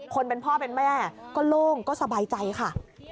คนเป็นพ่อเป็นแม่ก็โล่งก็สบายใจค่ะ